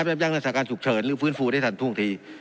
พร้อมนะครับยังรักษาการฉุกเฉินหรือฟื้นฟูได้ทันพรุ่งที